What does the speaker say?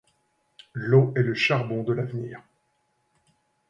L’eau est le charbon de l’avenir.